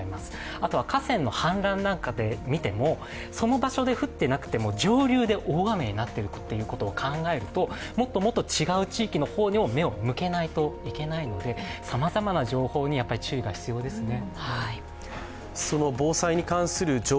あとは河川の氾濫なんかで見てもその場所で降っていなくても、上流で大雨になっていることを考えるともっともっと違う地域の方にも目を向けないといけないので、さまざまな情報に注意が必要ですね。